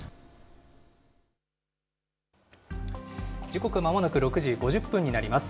時刻、まもなく６時５０分になります。